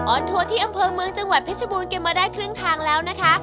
อัวร์ที่อำเภอเมืองจังหวัดเพชรบูรณกันมาได้ครึ่งทางแล้วนะคะ